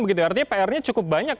artinya pr nya cukup banyak